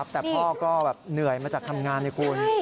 แต่พ่อก็เหนื่อยมาจากทำงานให้คุณ